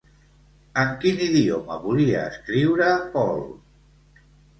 En quin idioma volia escriure Paul?